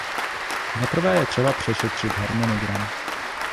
Za prvé je třeba přešetřit harmonogram.